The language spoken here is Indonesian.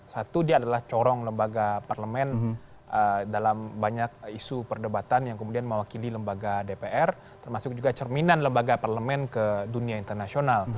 satu dia adalah corong lembaga parlemen dalam banyak isu perdebatan yang kemudian mewakili lembaga dpr termasuk juga cerminan lembaga parlemen ke dunia internasional